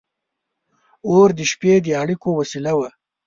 • اور د شپې د اړیکو وسیله وه.